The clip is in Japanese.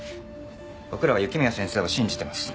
僕らは雪宮先生を信じてます。